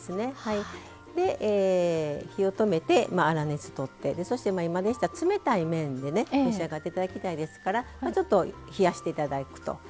火を止めて粗熱取ってそして今でしたら冷たい麺でね召し上がって頂きたいですからちょっと冷やして頂くといいですよね。